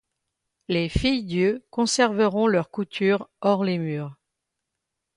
Les Filles-Dieu conserveront leur couture hors les murs.